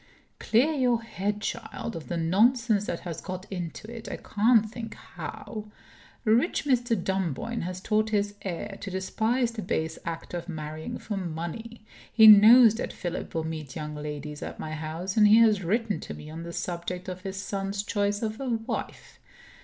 "Clear your head, child, of the nonsense that has got into it I can't think how. Rich Mr. Dunboyne has taught his heir to despise the base act of marrying for money. He knows that Philip will meet young ladies at my house; and he has written to me on the subject of his son's choice of a wife.